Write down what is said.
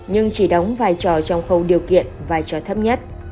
nhưng chỉ đóng vai trò trong khâu điều kiện vai trò thấp nhất